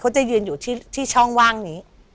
จะยืนอยู่ที่ช่องว่างนี้